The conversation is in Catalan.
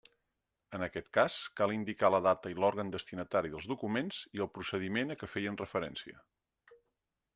En aquest cas, cal indicar la data i l'òrgan destinatari dels documents i el procediment a què feien referència.